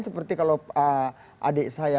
seperti kalau adik saya